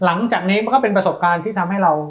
หลังจากนี้มันก็เป็นประสบการณ์ที่ทำให้เรา